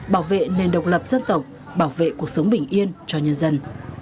bảo vệ nền độc lập dân tộc bảo vệ cuộc sống bình yên cho nhân dân